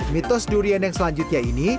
mitos durian yang selanjutnya ini